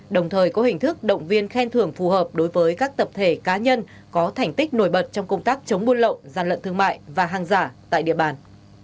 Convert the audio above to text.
đồng thời có hình thức động viên khen thưởng phù hợp đối với các tập thể cá nhân có thành tích nổi bật trong công tác chống buôn lậu gian lận thương mại và hàng giả tại địa bàn